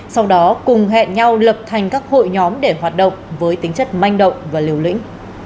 sau đó cùng hẹn nhau lập thành các hội nhóm để hoạt động với tính chất manh động và liều lĩnh